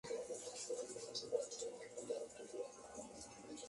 Un lugar donde se pueden encontrar estas obras de arte es en Pátzcuaro, Michoacán.